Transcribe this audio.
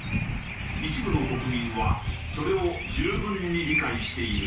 一部の国民はそれを十分に理解しているようだ。